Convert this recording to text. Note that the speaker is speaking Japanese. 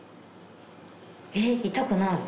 えっ痛くない。